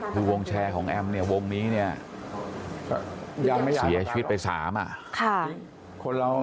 คือวงแชร์ของแอ้มวงนี้เสียชีวิตไป๓ค่ะ